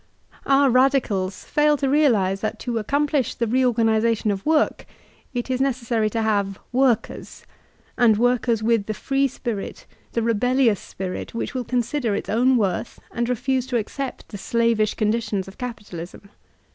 Our radicals fail to realize that to accomplish the re organization of work, it is necessary to have workers, — and workers with the free spirit, the rebellions spirit, which will consider its own worth and refuse to accept the slavish conditions of capitalism.